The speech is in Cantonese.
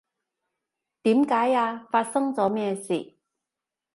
點解呀？發生咗咩事？